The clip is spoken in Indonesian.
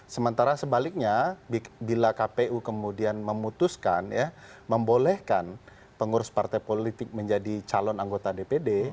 sementara sebaliknya bila kpu kemudian memutuskan ya membolehkan pengurus partai politik menjadi calon anggota dpd